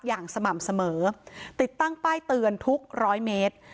อย่างสม่ำเสมอติดตั้งป้ายเตือนทุกร้อยเมตร